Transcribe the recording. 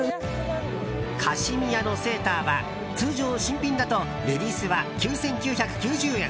カシミヤのセーターは通常、新品だとレディースは９９９０円